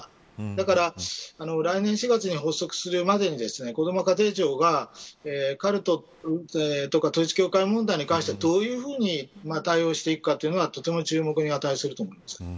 だから来年４月に発足するまでにこども家庭庁がカルトとか統一教会問題に関してどういうふうに対応していくかがとても注目に値すると思います。